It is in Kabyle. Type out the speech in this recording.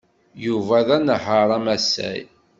Yuba d anehhaṛ amasay.